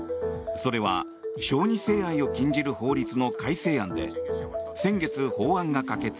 それは、小児性愛を禁じる法律の改正案で先月、法案が可決。